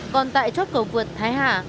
còn tại chốt cầu vượt thái hà